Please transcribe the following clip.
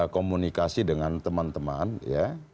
komunikasi dengan teman teman ya